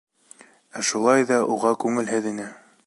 Ә шулай ҙа уға күңелһеҙ ине.